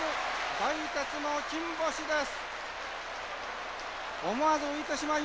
大徹の金星です。